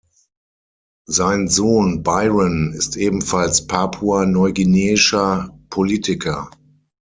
Sein Sohn Byron ist ebenfalls papua-neuguineischer Politiker.